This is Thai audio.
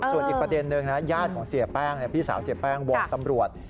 ส่วนอีกประเด็นนึงนะญาติของเสียแป้งพี่สาวเสียแป้งวอนตำรวจ